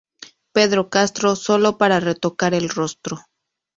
Pedro Castro, solo para retocar el rostro.